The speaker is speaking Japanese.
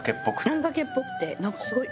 あんかけっぽくてなんかすごい。